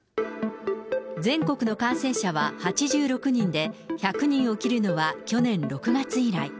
全国の感染者は８６人で、１００人を切るのは去年６月以来。